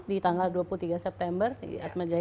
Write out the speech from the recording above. di tanggal dua puluh tiga september di atmajaya